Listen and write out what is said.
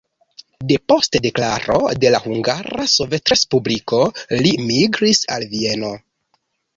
Depost deklaro de la Hungara Sovetrespubliko li migris al Vieno.